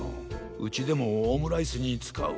うちでもオムライスにつかう。